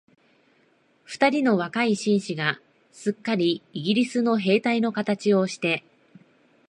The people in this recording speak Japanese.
二人の若い紳士が、すっかりイギリスの兵隊のかたちをして、